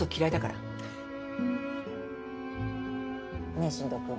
ねえ新藤君。